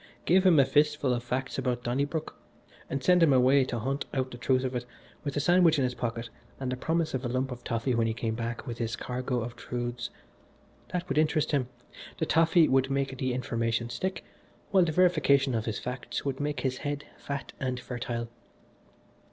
Give him a fistful of facts about Donnybrook, and send him away to hunt out the truth of it, with a sandwich in his pocket and the promise of a lump of toffee when he came back with his cargo of truths that would interest him, the toffee would make the information stick, while the verification of his facts would make his head fat and fertile.